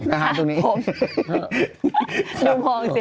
อาหารตรงนี้ดูพองสิ